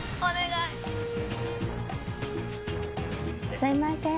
すいません。